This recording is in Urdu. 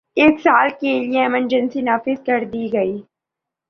ایک سال کے لیے ایمرجنسی نافذ کر دی گئی